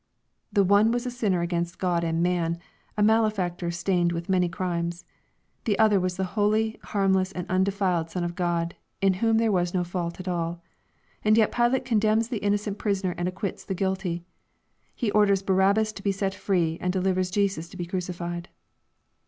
The one was a sinner against Grod and man, a malefactor stained with many crimes. The other was the holy, harmless, and undefiled Son of God, in whom there was no fault at all. And yet Pilate condemns the innocent prisoner and acquits the guilty ! He orders Barabbas to be set free, anS^delivers Jesus to be crucified.